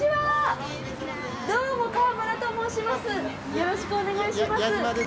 よろしくお願いします。